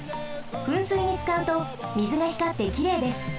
ふんすいにつかうとみずがひかってきれいです。